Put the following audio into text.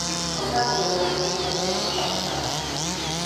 Contámosllelo hai uns minutos na nosa portada.